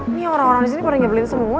ini orang orang disini pada ngebelin semua